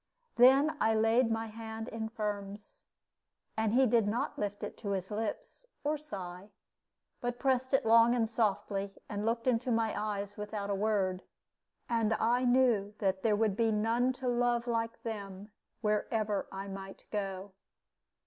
Then I laid my hand in Firm's, and he did not lift it to his lips, or sigh, but pressed it long and softly, and looked into my eyes without a word. And I knew that there would be none to love like them, wherever I might go.